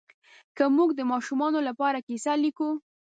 که موږ د ماشومانو لپاره کیسه لیکو